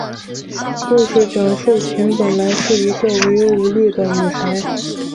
故事讲述琴本来是一个无忧无虑的女孩。